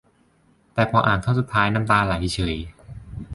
แต่พออ่านท่อนสุดท้าย น้ำตาไหลเฉย